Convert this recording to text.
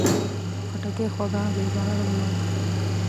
خټکی خوږه، بې ضرره مېوه ده.